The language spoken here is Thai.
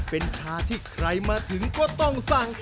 เป็นชาที่ใครมาถึงก็ต้องสั่ง